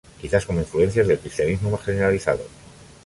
Quizás como influencias del cristianismo más generalizado.